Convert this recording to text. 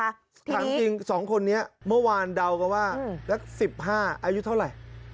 ถามจริง๒คนนี้เมื่อวานเดากันว่านัก๑๕อายุเท่าไหร่